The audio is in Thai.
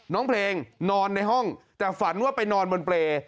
น้องเพลงนอนในห้องแต่ฝันว่าไปนอนบนเปรย์